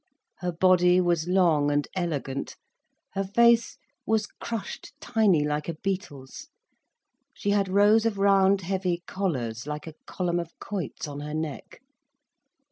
Her body was long and elegant, her face was crushed tiny like a beetle's, she had rows of round heavy collars, like a column of quoits, on her neck.